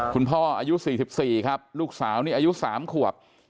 อายุ๔๔ครับลูกสาวนี่อายุ๓ขวบ